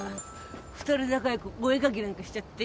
２人仲良くお絵描きなんかしちゃって。